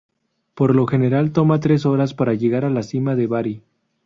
Por lo general toma tres horas para llegar a la cima de Bari.